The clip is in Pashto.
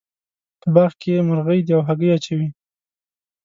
په باغ کې مرغۍ دي او هګۍ اچوې